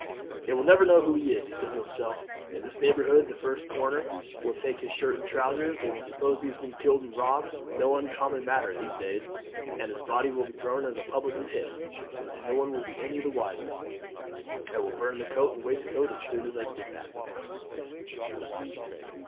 "They will never know who he is," he said to himself "In this neighbourhood the first comer will take his shirt and trousers. They will suppose he has been killed and robbed, no uncommon matter in these days, and his body will be thrown into the public pit, and no one be any the wiser. I will burn the coat and waistcoat as soon as I get back."